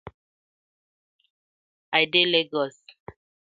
I dey Legos.